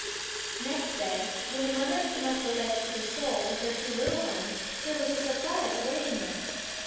Next day, when the mother came up the lake to the shoal with her two little ones, there was a surprise awaiting them.